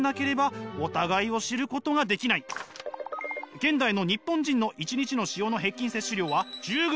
現代の日本人の１日の塩の平均摂取量は１０ｇ。